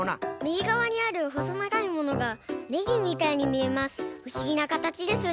みぎがわにあるほそながいものがねぎみたいにみえます。